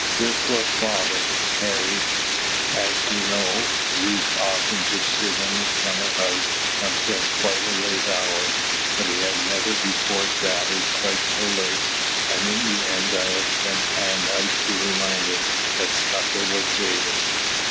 Your poor father, Harry as you know used often to sit in the summer house until quite a late hour, but he had never before dallied quite so late, and in the end I had sent Ann out to remind him that supper was waiting.